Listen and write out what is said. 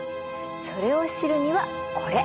それを知るにはこれ。